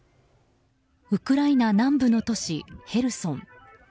ウクライナ南部の都市ヘルソン。